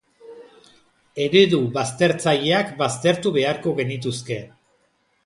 Eredu baztertzaileak baztertu beharko genituzke.